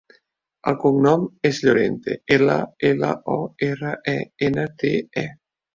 El cognom és Llorente: ela, ela, o, erra, e, ena, te, e.